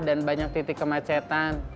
dan banyak titik kemacetan